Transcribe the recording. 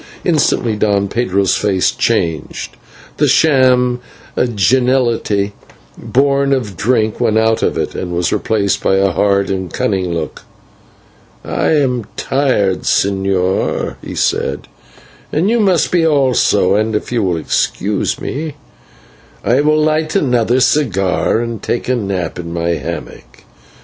Instantly Don Pedro's face changed, the sham geniality born of drink went out of it, and was replaced by a hard and cunning look. "I am tired, señor," he said, "as you must be also, and, if you will excuse me, I will light another cigar and take a nap in my hammock.